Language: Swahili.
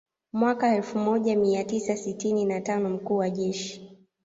Mwaka elfu moja mia tisa sitini na tano mkuu wa jeshi